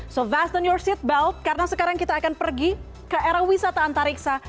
so vast on your seatbelt karena sekarang kita akan pergi ke era wisata antariksa